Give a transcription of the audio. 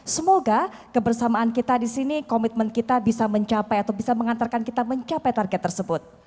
semoga kebersamaan kita di sini komitmen kita bisa mencapai atau bisa mengantarkan kita mencapai target tersebut